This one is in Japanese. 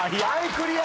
クリア。